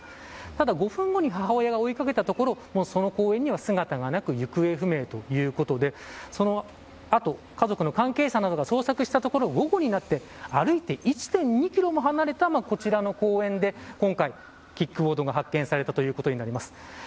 ただ５分後に母親が追い掛けたところその公園には姿はなく行方不明ということでその後、家族の関係者などが捜索したところ午後になって歩いて１．２キロも離れたこちらの公園で今回キックボードが発見されたということになります。